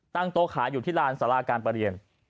ตั้งโต๊ะขายอยู่ที่ลานสาราการประเรียน